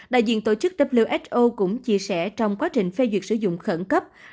đại diện tổ chức who cũng chia sẻ trong quá trình phê duyệt sử dụng khẩn cấp